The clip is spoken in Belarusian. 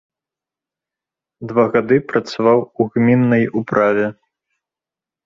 Два гады працаваў у гміннай управе.